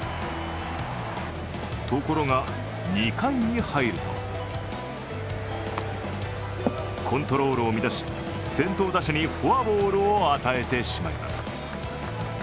ところが、２回に入るとコントロールを乱し、先頭打者にフォアボールを与えてしまいます。